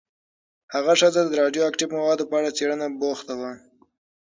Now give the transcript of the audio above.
هغه ښځه د راډیواکټیف موادو په څېړنه بوخته وه.